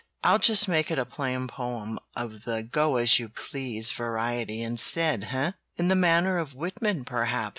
I'll just make it a plain poem of the go as you please variety instead, eh?" "In the manner of Whitman, perhaps?"